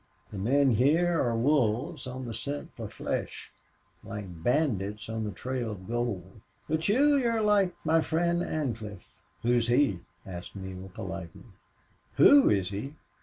"The men here are wolves on the scent for flesh; like bandits on the trail of gold.... But you you're like my friend Ancliffe." "Who is he?" asked Neale, politely. "WHO is he?